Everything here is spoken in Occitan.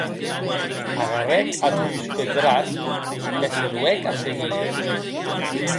Agarrèc ath rus peth braç e se lo hec a seguir.